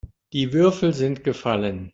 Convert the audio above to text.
Die Würfel sind gefallen.